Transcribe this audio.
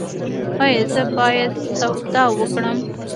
ایا زه باید سودا وکړم؟